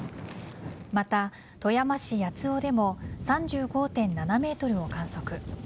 また、富山市八尾でも３５．７メートルを観測。